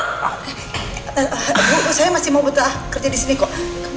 bu saya masih mau petah kerja disini kok